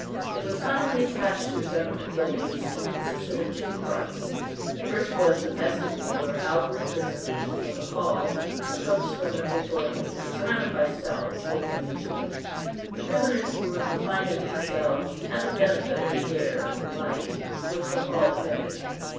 It was commonly attached to the government buildings, and consisted of two parts. The first was the vestibule, or outward prison, which was a hall, approached from the prætorium, and surrounded by cells, opening into it. The prisoners, who were confined in these cells, had the benefit of the air and light, which the hall admitted.